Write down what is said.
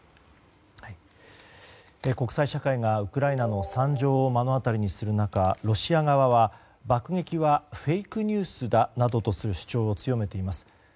国際社会がウクライナの惨状を目の当たりにする中ロシア側は爆撃はフェイクニュースだなどとする主張を強めています。